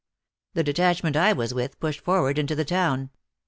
The detachment I was with pushed forward into the town.